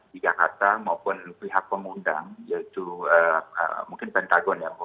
dikakata maupun pihak pengundang yaitu mungkin pentagon ya